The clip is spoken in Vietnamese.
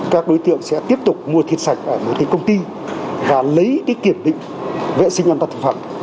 các đối tượng sẽ tiếp tục mua thịt sạch ở một công ty và lấy kiểm định vệ sinh an toàn thực phẩm